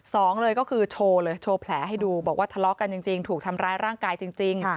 สองเลยก็คือโชว์เลยโชว์แผลให้ดูบอกว่าทะเลาะกันจริงถูกทำร้ายร่างกายจริง